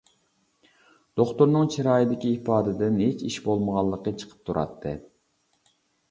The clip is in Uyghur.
دوختۇرنىڭ چىرايىدىكى ئىپادىدىن ھېچ ئىش بولمىغانلىقى چىقىپ تۇراتتى.